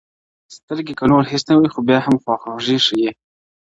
سترگي كه نور هيڅ نه وي خو بيا هم خواخوږي ښيي